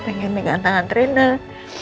pengen megang tangan trainer